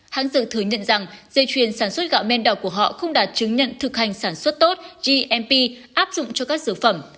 hãng dược thừa nhận rằng dây chuyền sản xuất gạo men đào của họ không đạt chứng nhận thực hành sản xuất tốt gmp áp dụng cho các dược phẩm